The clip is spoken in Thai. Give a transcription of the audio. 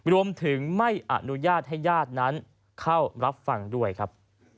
รวมถึงไม่อนุญาตให้ญาตินั้นเข้ารับฟังด้วยครับ